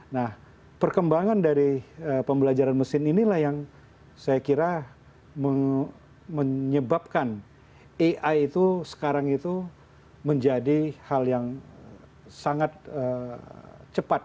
nah perkembangan dari pembelajaran mesin inilah yang saya kira menyebabkan ai itu sekarang itu menjadi hal yang sangat cepat